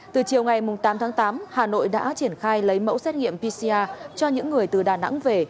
từ chiều ngày tám tháng tám hà nội đã triển khai lấy mẫu xét nghiệm pcr cho những người từ đà nẵng về